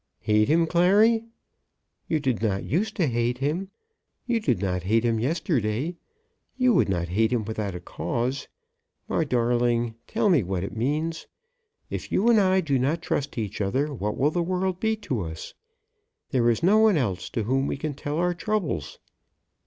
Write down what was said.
"Hate him, Clary? You did not use to hate him. You did not hate him yesterday? You would not hate him without a cause. My darling, tell me what it means! If you and I do not trust each other what will the world be to us? There is no one else to whom we can tell our troubles."